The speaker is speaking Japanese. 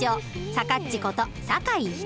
「さかっち」こと酒井瞳。